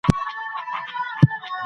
هر کال څو علمي څېړنيز